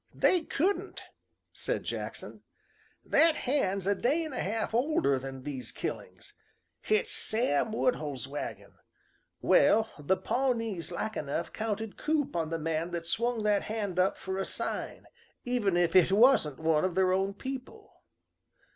"They couldn't," said Jackson. "That hand's a day an' a half older than these killings. Hit's Sam Woodhull's wagon. Well, the Pawnees like enough counted 'coup on the man that swung that hand up for a sign, even if hit wasn't one o' their own people."